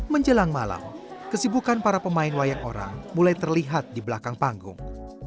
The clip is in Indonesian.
menjelang malam kesibukan para pemain wayang orang mulai terlihat di belakang panggung